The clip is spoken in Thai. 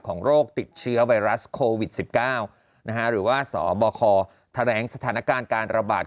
โรคติดเชื้อไวรัสโควิด๑๙หรือว่าสบคแถลงสถานการณ์การระบาด